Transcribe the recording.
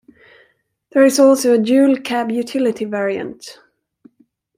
There is also a Dual Cab Utility variant.